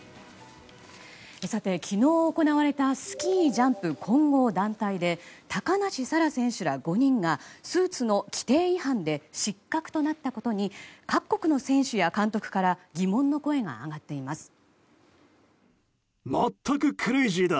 さて、昨日行われたスキージャンプ混合団体で高梨沙羅選手ら５人がスーツの規定違反で失格となったことに各国の選手や監督から疑問の声が上がっています。